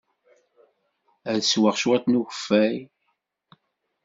Ad sweɣ cwiṭ n ukeffay.